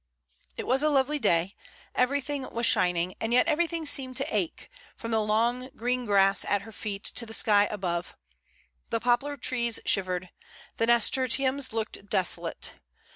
It was a lovely day; everything was shining, and yet everything seemed to ache, from the long, green grass at her feet to the sky above; the poplar trees shivered; the nasturtiums looked desolate.